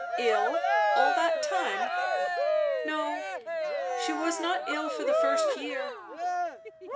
"Ill all that time?" "No. She was not ill for the first year."